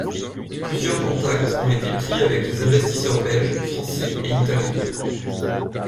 Plusieurs contacts ont été pris avec les investisseurs belge, français et italiens.